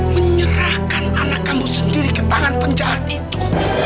menyerahkan anak kamu sendiri ke tangan penjahat itu